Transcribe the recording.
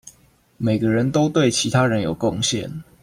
每個人都對其他人有貢獻